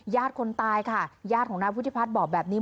คนตายค่ะญาติของนายวุฒิพัฒน์บอกแบบนี้